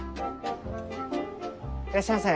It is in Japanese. いらっしゃいませ。